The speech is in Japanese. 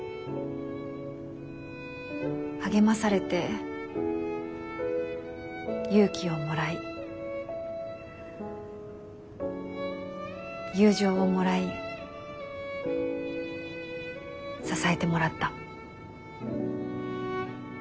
励まされて勇気をもらい友情をもらい支えてもらった。